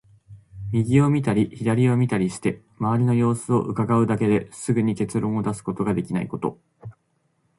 右を見たり左を見たりして、周りの様子を窺うだけですぐに結論を出すことができないこと。